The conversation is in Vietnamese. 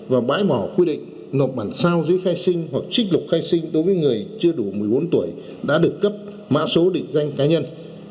và bãi bỏ quy định nộp bản sao dưới khai sinh hoặc trích lục khai sinh đối với người chưa đủ một mươi bốn tuổi đã được cấp mã số định danh cá nhân